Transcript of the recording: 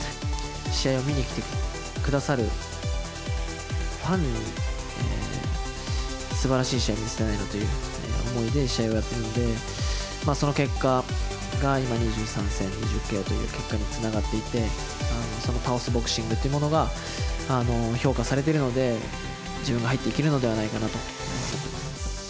試合を見に来てくださるファンに、すばらしい試合を見せたいなという思いで試合をやっているので、その結果が今、２３戦２０ＫＯという結果につながっていて、その倒すボクシングというものが評価されているので、自分が入っていけるのではないかなと。